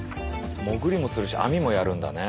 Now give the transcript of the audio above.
潜りもするし網もやるんだね。